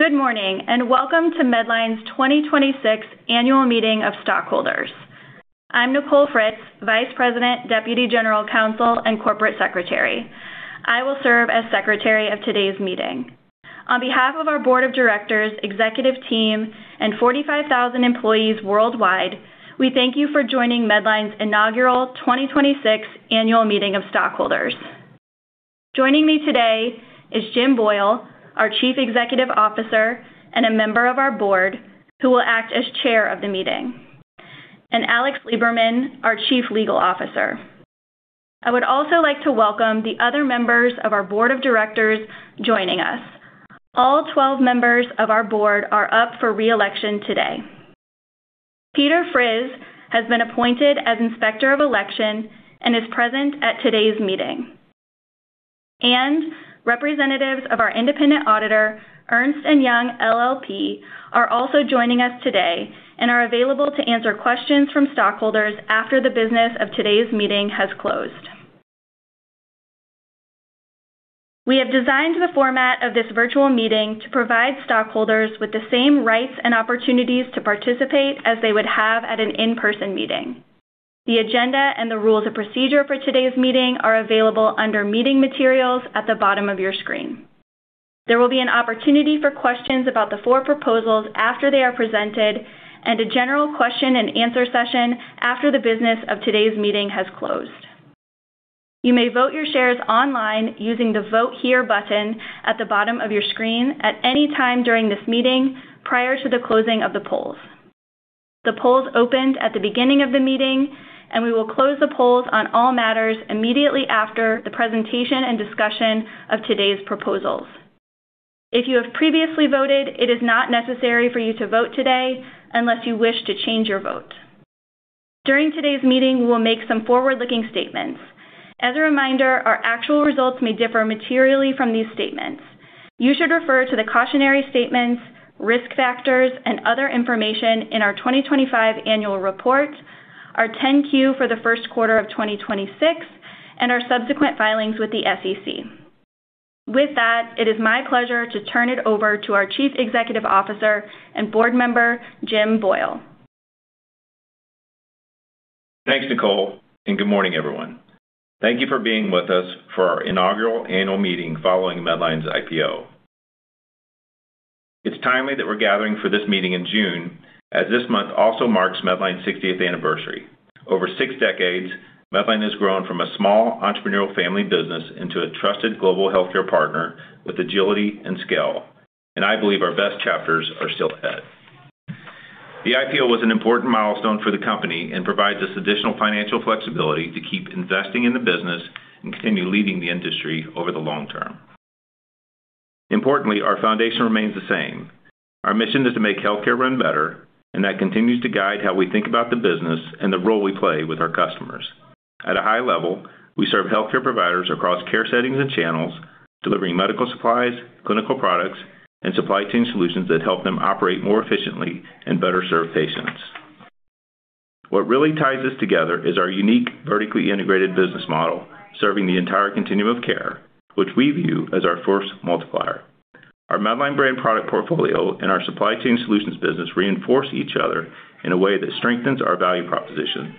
Good morning, and welcome to Medline's 2026 Annual Meeting of Stockholders. I'm Nicole Fritz, Vice President, Deputy General Counsel, and Corporate Secretary. I will serve as secretary of today's meeting. On behalf of our Board of Directors, executive team, and 45,000 employees worldwide, we thank you for joining Medline's inaugural 2026 Annual Meeting of Stockholders. Joining me today is Jim Boyle, our Chief Executive Officer and a member of our Board, who will act as chair of the meeting, and Alex Liberman, our Chief Legal Officer. I would also like to welcome the other members of our Board of Directors joining us. All 12 members of our Board are up for re-election today. Peter Fritz has been appointed as Inspector of Election and is present at today's meeting. Representatives of our independent auditor, Ernst & Young LLP, are also joining us today and are available to answer questions from stockholders after the business of today's meeting has closed. We have designed the format of this virtual meeting to provide stockholders with the same rights and opportunities to participate as they would have at an in-person meeting. The agenda and the rules of procedure for today's meeting are available under Meeting Materials at the bottom of your screen. There will be an opportunity for questions about the four proposals after they are presented, and a general question and answer session after the business of today's meeting has closed. You may vote your shares online using the Vote Here button at the bottom of your screen at any time during this meeting prior to the closing of the polls. The polls opened at the beginning of the meeting, and we will close the polls on all matters immediately after the presentation and discussion of today's proposals. If you have previously voted, it is not necessary for you to vote today unless you wish to change your vote. During today's meeting, we will make some forward-looking statements. As a reminder, our actual results may differ materially from these statements. You should refer to the cautionary statements, risk factors, and other information in our 2025 annual report, our 10-Q for the first quarter of 2026, and our subsequent filings with the SEC. With that, it is my pleasure to turn it over to our Chief Executive Officer and Board member, Jim Boyle. Thanks, Nicole. Good morning, everyone. Thank you for being with us for our inaugural annual meeting following Medline's IPO. It's timely that we're gathering for this meeting in June, as this month also marks Medline's 60th anniversary. Over six decades, Medline has grown from a small entrepreneurial family business into a trusted global healthcare partner with agility and scale, and I believe our best chapters are still ahead. The IPO was an important milestone for the company and provides us additional financial flexibility to keep investing in the business and continue leading the industry over the long term. Importantly, our foundation remains the same. Our mission is to make healthcare run better, and that continues to guide how we think about the business and the role we play with our customers. At a high level, we serve healthcare providers across care settings and channels, delivering medical supplies, clinical products, and Supply Chain Solutions that help them operate more efficiently and better serve patients. What really ties us together is our unique vertically integrated business model, serving the entire continuum of care, which we view as our force multiplier. Our Medline brand product portfolio and our Supply Chain Solutions business reinforce each other in a way that strengthens our value proposition.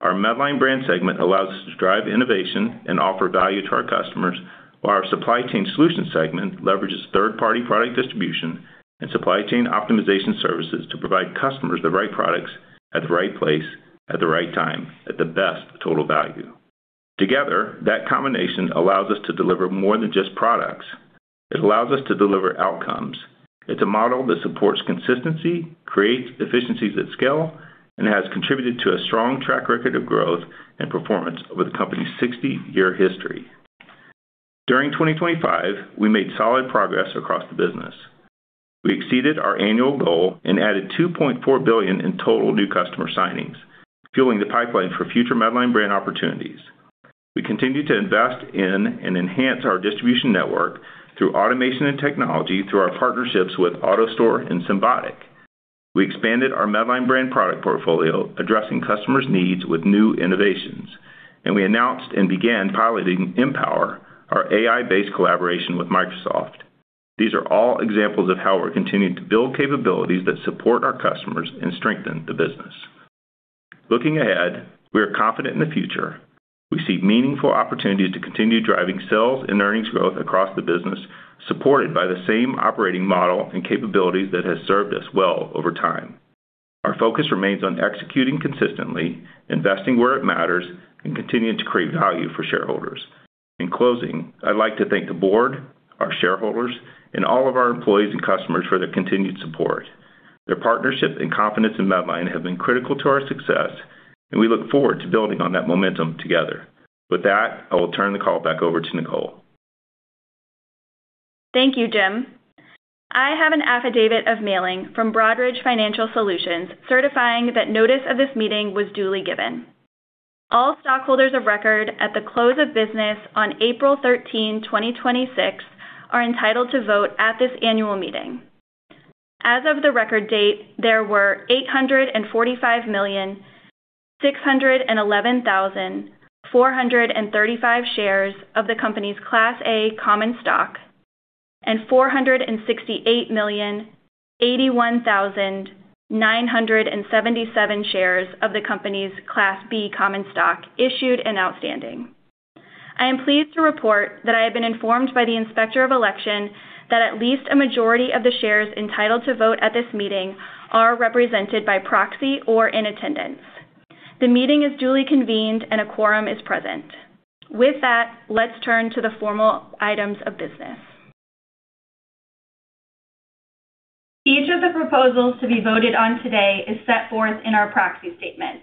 Our Medline brand segment allows us to drive innovation and offer value to our customers, while our Supply Chain Solutions segment leverages third-party product distribution and supply chain optimization services to provide customers the right products at the right place at the right time at the best total value. Together, that combination allows us to deliver more than just products. It allows us to deliver outcomes. It's a model that supports consistency, creates efficiencies at scale, and has contributed to a strong track record of growth and performance over the company's 60-year history. During 2025, we made solid progress across the business. We exceeded our annual goal and added $2.4 billion in total new customer signings, fueling the pipeline for future Medline brand opportunities. We continued to invest in and enhance our distribution network through automation and technology through our partnerships with AutoStore and Symbotic. We expanded our Medline brand product portfolio, addressing customers' needs with new innovations. We announced and began piloting Mpower, our AI-based collaboration with Microsoft. These are all examples of how we're continuing to build capabilities that support our customers and strengthen the business. Looking ahead, we are confident in the future. We see meaningful opportunities to continue driving sales and earnings growth across the business, supported by the same operating model and capabilities that has served us well over time. Our focus remains on executing consistently, investing where it matters, and continuing to create value for shareholders. In closing, I'd like to thank the Board, our shareholders, and all of our employees and customers for their continued support. Their partnership and confidence in Medline have been critical to our success, and we look forward to building on that momentum together. With that, I will turn the call back over to Nicole. Thank you, Jim. I have an affidavit of mailing from Broadridge Financial Solutions certifying that notice of this meeting was duly given. All stockholders of record at the close of business on April 13, 2026, are entitled to vote at this annual meeting. As of the record date, there were 845,611,435 shares of the company's Class A common stock and 468,081,977 shares of the company's Class B common stock issued and outstanding. I am pleased to report that I have been informed by the Inspector of Election that at least a majority of the shares entitled to vote at this meeting are represented by proxy or in attendance. The meeting is duly convened, and a quorum is present. With that, let's turn to the formal items of business. Each of the proposals to be voted on today is set forth in our proxy statement.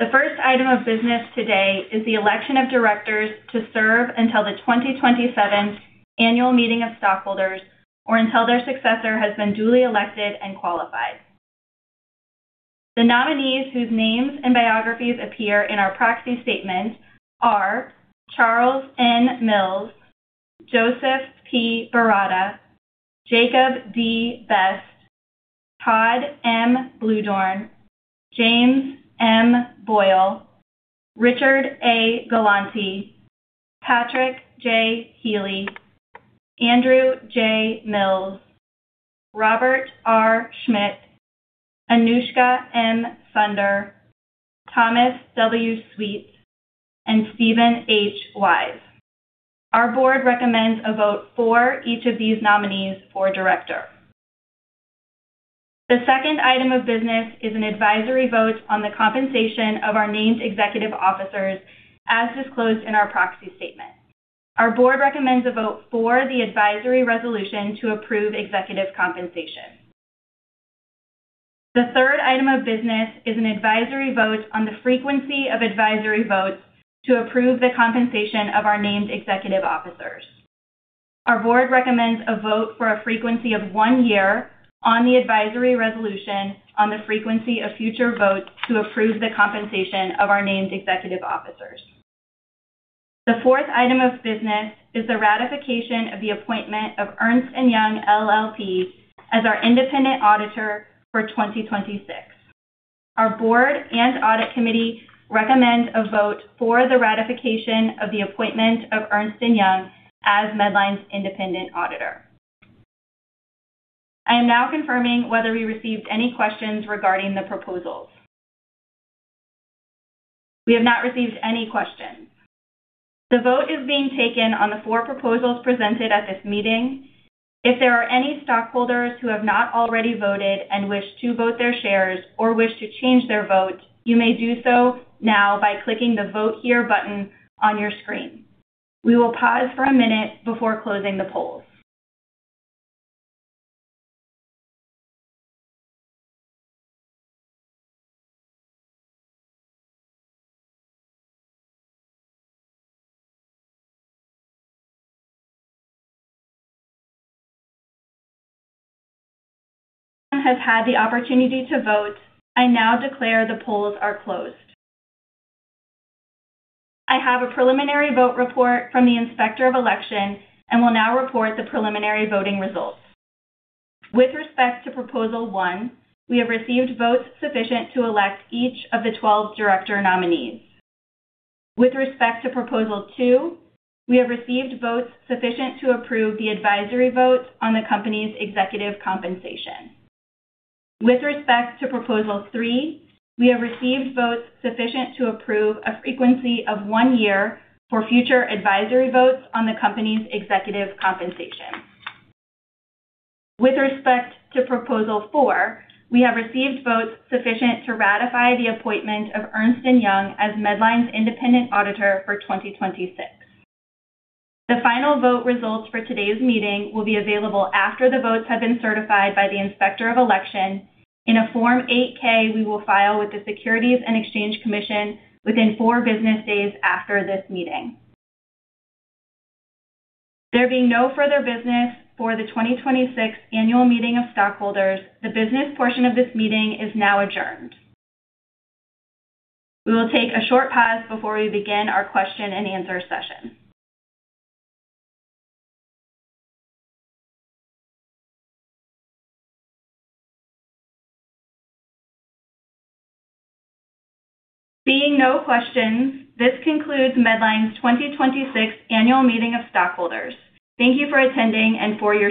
The first item of business today is the election of directors to serve until the 2027 Annual Meeting of Stockholders or until their successor has been duly elected and qualified. The nominees whose names and biographies appear in our proxy statement are Charles N. Mills, Joseph P. Baratta, Jacob D. Best, Todd M. Bluedorn, James M. Boyle, Richard A. Galanti, Patrick J. Healy, Andrew J. Mills, Robert R. Schmidt, Anushka M. Sunder, Thomas W. Sweet, and Stephen H. Wise. Our Board recommends a vote for each of these nominees for director. The second item of business is an advisory vote on the compensation of our named executive officers as disclosed in our proxy statement. Our Board recommends a vote for the advisory resolution to approve executive compensation. The third item of business is an advisory vote on the frequency of advisory votes to approve the compensation of our named executive officers. Our Board recommends a vote for a frequency of one year on the advisory resolution on the frequency of future votes to approve the compensation of our named executive officers. The fourth item of business is the ratification of the appointment of Ernst & Young LLP as our independent auditor for 2026. Our Board and audit committee recommends a vote for the ratification of the appointment of Ernst & Young as Medline's independent auditor. I am now confirming whether we received any questions regarding the proposals. We have not received any questions. The vote is being taken on the four proposals presented at this meeting. If there are any stockholders who have not already voted and wish to vote their shares or wish to change their vote, you may do so now by clicking the Vote Here button on your screen. We will pause for a minute before closing the polls. Everyone has had the opportunity to vote. I now declare the polls are closed. I have a preliminary vote report from the Inspector of Election and will now report the preliminary voting results. With respect to proposal one, we have received votes sufficient to elect each of the 12 director nominees. With respect to proposal two, we have received votes sufficient to approve the advisory vote on the company's executive compensation. With respect to proposal three, we have received votes sufficient to approve a frequency of one year for future advisory votes on the company's executive compensation. With respect to Proposal 4, we have received votes sufficient to ratify the appointment of Ernst & Young as Medline's independent auditor for 2026. The final vote results for today's meeting will be available after the votes have been certified by the Inspector of Election in a Form 8-K we will file with the Securities and Exchange Commission within four business days after this meeting. There being no further business for the 2026 Annual Meeting of Stockholders, the business portion of this meeting is now adjourned. We will take a short pause before we begin our question-and-answer session. Seeing no questions, this concludes Medline's 2026 Annual Meeting of Stockholders. Thank you for attending and for your support.